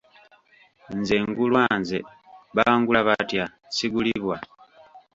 Nze ngulwa nze, bangula batya, sigulibwa.